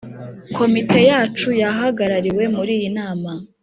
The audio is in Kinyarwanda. komite yacu yahagarariwe muri iyi nama